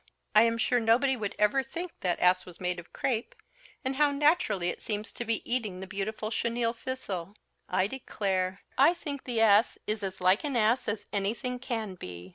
I am sure nobody would ever think that ass was made of crape, and how naturally it seems to be eating the beautiful chenille thistle! I declare, I think the ass is as like an ass as anything can be!"